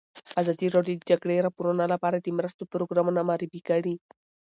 ازادي راډیو د د جګړې راپورونه لپاره د مرستو پروګرامونه معرفي کړي.